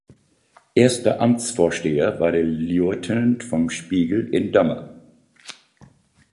Erster Amtsvorsteher war der Lieutenant von Spiegel in Dammer.